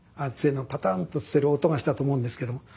杖のパタンと捨てる音がしたと思うんですけど。